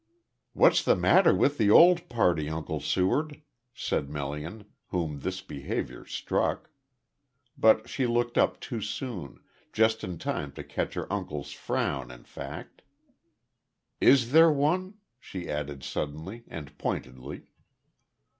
"What's the matter with the old party, Uncle Seward?" said Melian, whom this behaviour struck. But she looked up too soon just in time to catch her uncle's frown in fact. "Is there one?" she added suddenly, and pointedly.